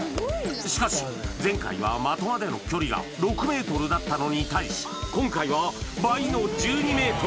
しかし前回は的までの距離が６ｍだったのに対し今回は倍の１２ｍ！